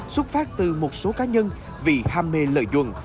xuất phát từ một số cá nhân vì ham mê lợi dụng